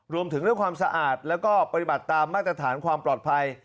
รวมถึงเรื่องความสะอาดแล้วก็ปฏิบัติตามมาตรฐานความปลอดภัย